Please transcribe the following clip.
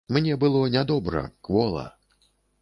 Мне было нядобра, квола.